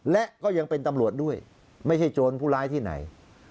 และก็ยังเป็นตำรวจด้วยไม่ใช่โจรผู้ร้ายที่ไหน